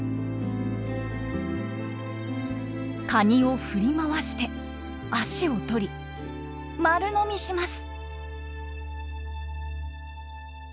カニを振り回して足を取り丸飲みします。